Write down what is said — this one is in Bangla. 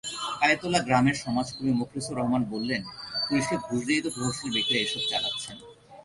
কালীতলা গ্রামের সমাজকর্মী মোখলেছুর রহমান বললেন, পুলিশকে ঘুষ দিয়েই প্রভাবশালী ব্যক্তিরা এসব চালাচ্ছেন।